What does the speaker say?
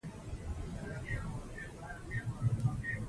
د ډاکټر مشوره تل واورئ.